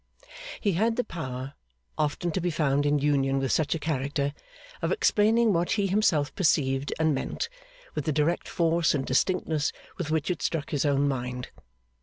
He had the power, often to be found in union with such a character, of explaining what he himself perceived, and meant, with the direct force and distinctness with which it struck his own mind.